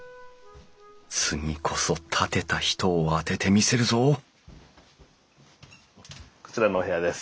次こそ建てた人を当ててみせるぞこちらのお部屋です。